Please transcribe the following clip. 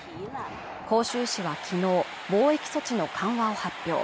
広州市はきのう防疫措置の緩和を発表